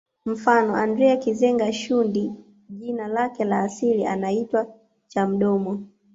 Mfano Andrea Kizenga Shundi jina lake la asili anaitwa Chamdoma